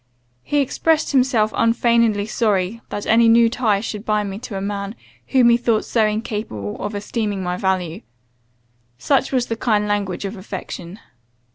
He expressed himself unfeignedly sorry that any new tie should bind me to a man whom he thought so incapable of estimating my value; such was the kind language of affection.